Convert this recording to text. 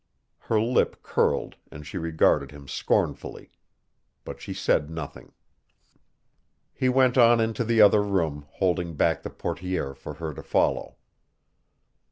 Her lip curled and she regarded him scornfully. But she said nothing. He went on into the other room, holding back the portière for her to follow.